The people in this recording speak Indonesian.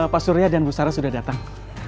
pak surya dan bu sara sudah datang